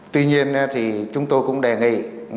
tuy nhiên thì chúng tôi cũng đề nghị